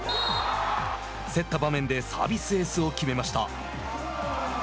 競った場面でサービスエースを決めました。